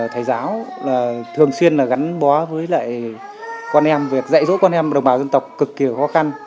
thầy giáo thường xuyên gắn bó với lại con em việc dạy dỗ con em của đồng bào dân tộc cực kỳ khó khăn